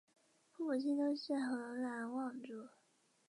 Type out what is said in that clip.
父母亲都是河南望族。